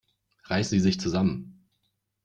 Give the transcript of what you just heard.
Reißen Sie sich zusammen!